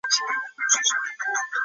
湿时略带黏性。